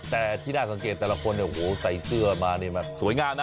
แต่ที่ได้สังเกตแต่ละคนใส่เสื้อมาสวยงามนะ